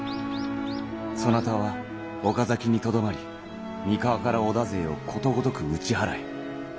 そなたは岡崎にとどまり三河から織田勢をことごとく打ち払え。